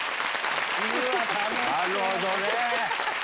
なるほどね。